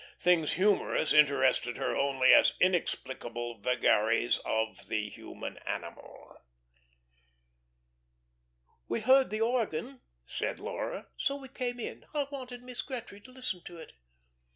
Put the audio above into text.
Things humorous interested her only as inexplicable vagaries of the human animal. "We heard the organ," said Laura, "so we came in. I wanted Mrs. Gretry to listen to it."